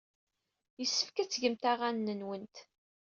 Yessefk ad tgemt aɣan-nwent.